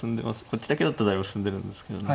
こっちだけだったらだいぶ進んでるんですけどね。